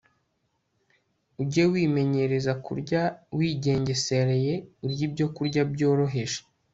ujye wimenyereza kurya wigengesereye, urya ibyokurya byoroheje